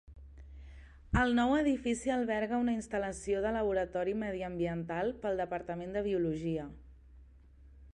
El nou edifici alberga una instal·lació de laboratori mediambiental pel departament de biologia.